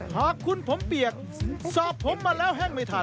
หากคุณผมเปียกสอบผมมาแล้วแห้งไม่ทัน